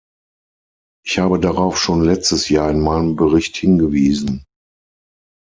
Ich habe darauf schon letztes Jahr in meinem Bericht hingewiesen.